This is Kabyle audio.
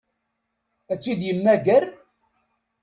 Ad t-id-yemmager?